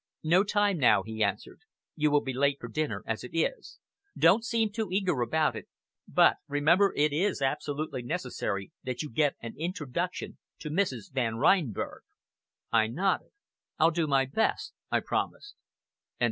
"No time now," he answered. "You will be late for dinner as it is. Don't seem too eager about it, but remember it is absolutely necessary that you get an introduction to Mrs. Van Reinberg." I nodded. "I'll do my best," I promised.